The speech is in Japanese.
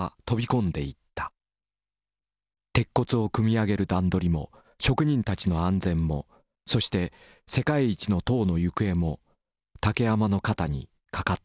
鉄骨を組み上げる段取りも職人たちの安全もそして世界一の塔の行方も竹山の肩にかかっていた。